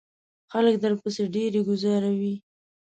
خلک درپسې ډیری گوزاروي.